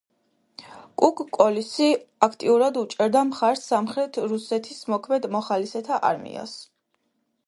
კუკ-კოლისი აქტიურად უჭერდა მხარს სამხრეთ რუსეთის მოქმედ მოხალისეთა არმიას.